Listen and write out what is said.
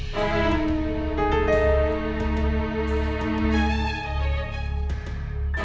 shanti ya pak sofia